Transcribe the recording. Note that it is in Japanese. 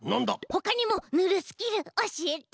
ほかにもぬるスキルおしえて。